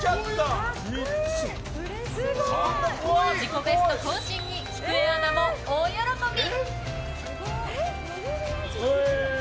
自己ベスト更新にきくえアナも大喜び！